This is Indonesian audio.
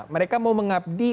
mereka mau mengabdi